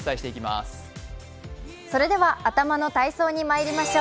それでは頭の体操にまいりましょう。